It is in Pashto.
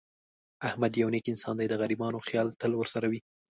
احمد یو نېک انسان دی. د غریبانو خیال تل ورسره وي.